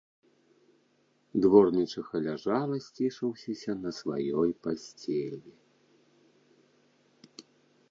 Дворнічыха ляжала, сцішыўшыся на сваёй пасцелі.